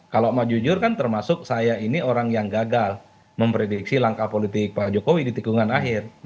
kalau mau jujur kan termasuk saya ini orang yang gagal memprediksi langkah politik pak jokowi di tikungan akhir